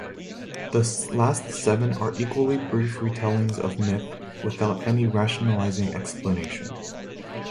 The last seven are equally brief retellings of myth, without any rationalizing explanation.